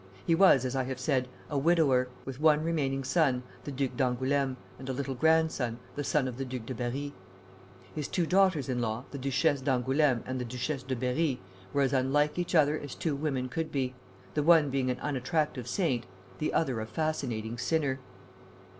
He was, as I have said, a widower, with one remaining son, the Duc d'Angoulême, and a little grandson, the son of the Duc de Berri. His two daughters in law, the Duchesse d'Angoulême and the Duchesse de Berri, were as unlike each other as two women could be, the one being an unattractive saint, the other a fascinating sinner.